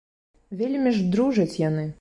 Вельмі ж дружаць яны.